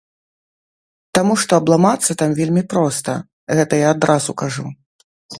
Таму што абламацца там вельмі проста, гэта я адразу кажу.